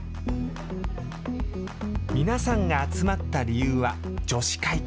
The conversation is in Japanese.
皆さんが集まった理由は女子会。